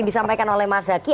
tadi disampaikan oleh mas zaki